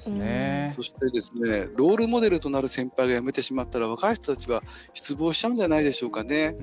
そして、ロールモデルとなる先輩が辞めてしまったら若い人たちは失望しちゃうんじゃないでしょうかね。